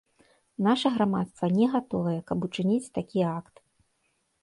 Наша грамадства не гатовае, каб учыніць такі акт.